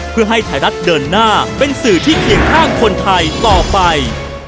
เพื่อให้ไทยรัฐเดินหน้าเป็นสื่อที่เคียงข้างคนไทยต่อไป